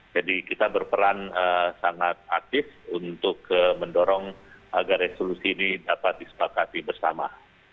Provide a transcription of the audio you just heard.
jadi kita berperan sangat aktif untuk mendorong agar resolusi ini dapat disepakati bersama